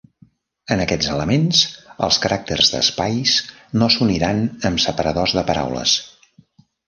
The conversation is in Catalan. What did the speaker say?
En aquests elements, els caràcters d'espais no s'uniran amb separadors de paraules.